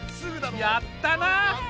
やったな！